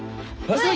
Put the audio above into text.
はい。